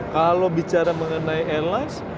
kalau bicara mengenai airlines